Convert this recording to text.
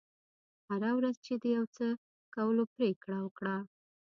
هره ورځ چې د یو څه کولو پرېکړه وکړه.